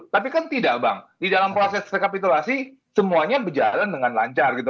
tapi kan tidak bang di dalam proses rekapitulasi semuanya berjalan dengan lancar gitu